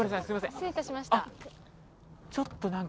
失礼いたしました。